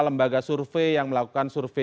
lembaga survei yang melakukan survei